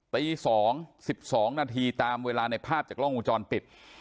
ตี๒๑๒นาทีตามเวลาในภาพจากกล้องวงจรปิด